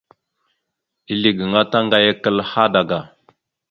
Ezle gaŋa taŋgayakal hadaga.